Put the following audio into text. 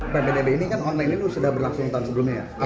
ppdb ini kan online ini sudah berlaksanakan sebelumnya ya